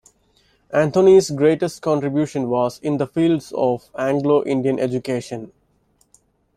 Anthony's greatest contribution was in the field of Anglo-Indian Education.